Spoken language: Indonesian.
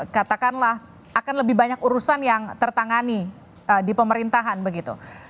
katakanlah akan lebih banyak urusan yang tertangani di pemerintahan begitu